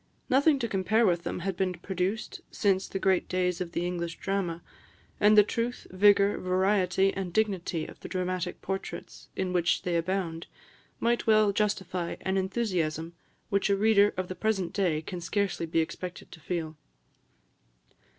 "Nothing to compare with them had been produced since the great days of the English drama; and the truth, vigour, variety, and dignity of the dramatic portraits, in which they abound, might well justify an enthusiasm which a reader of the present day can scarcely be expected to feel.